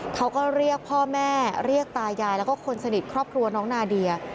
เขาก็เรียกพ่อแม่เรียกตายายแล้วก็คนสนิทครอบครัวน้องนาเดีย